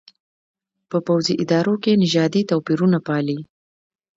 په پوځي ادارو کې نژادي توپېرونه پالي.